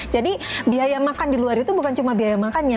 jadi biaya makan di luar itu bukan cuma biaya makan ya